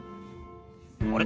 「あれ？